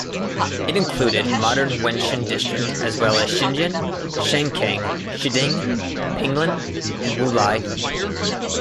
It included modern Wenshan district as well as Xindian, Shenkeng, Shiding, Pinglin, and Wulai.